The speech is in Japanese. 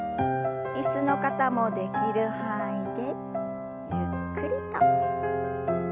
椅子の方もできる範囲でゆっくりと。